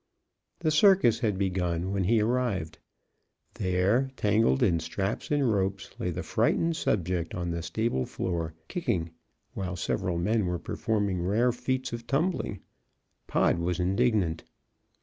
The circus had begun when he arrived. There, tangled in straps and ropes, lay the frightened subject on the stable floor, kicking, while several men were performing rare feats of tumbling. Pod was indignant.